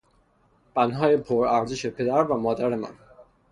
پندهای پرارزش پدر و مادر من